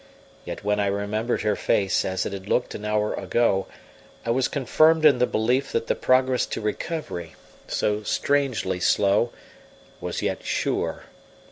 Yet when I remembered her face as it had looked an hour ago, I was confirmed in the belief that the progress to recovery, so strangely slow, was yet sure.